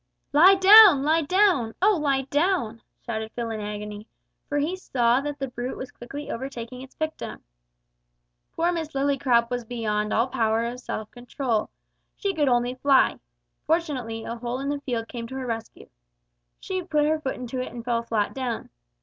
"Lie down! lie down! O lie down!" shouted Phil in agony, for he saw that the brute was quickly overtaking its victim. Poor Miss Lillycrop was beyond all power of self control. She could only fly. Fortunately a hole in the field came to her rescue. She put her foot into it and fell flat down.